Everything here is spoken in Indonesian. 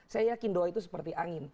saya yakin doa itu seperti angin